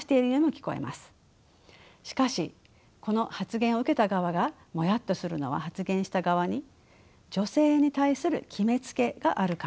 しかしこの発言を受けた側がモヤっとするのは発言した側に女性に対する決めつけがあるからです。